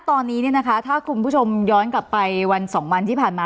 ตอนนี้ถ้าคุณผู้ชมย้อนกลับไปวัน๒วันที่ผ่านมา